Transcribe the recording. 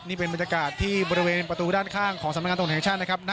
นี่เป็นบรรยากาศที่บริเวณประตูด้านข้างของสำนักงานตรวจแห่งชาตินะครับ